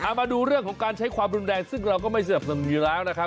เอามาดูเรื่องของการใช้ความรุนแรงซึ่งเราก็ไม่สนับสนุนอยู่แล้วนะครับ